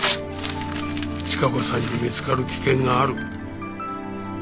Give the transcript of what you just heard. チカ子さんに見つかる危険がある。